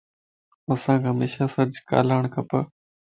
اسانک ھميشا سچ ڳالھائڻ کپ